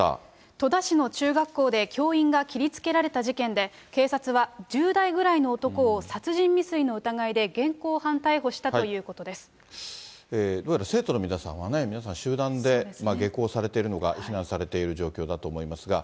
戸田市の中学校で教員が切りつけられた事件で、警察は１０代ぐらいの男を殺人未遂の疑いで現行犯逮捕したということでどうやら生徒の皆さんはね、皆さん、集団で下校されているのか、避難されている状況だと思いますが。